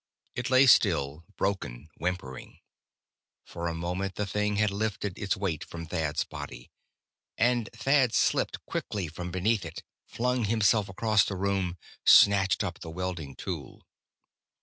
It lay still, broken, whimpering. For a moment the thing had lifted its weight from Thad's body. And Thad slipped quickly from beneath it, flung himself across the room, snatched up the welding tool.